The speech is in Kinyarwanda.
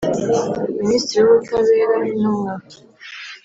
Minisitiri w Ubutabera n Intumwa